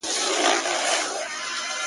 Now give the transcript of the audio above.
د فکرونه، ټوله مزخرف دي.